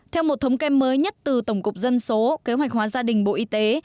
theo một thống kê mới nhất từ tổng cục dân số kế hoạch hóa gia đình bộ y tế